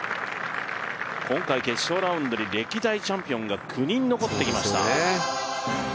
今回決勝ラウンドに歴代チャンピオンが９人残ってきました。